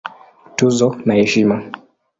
Tuzo na Heshima